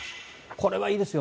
これはいいですよ。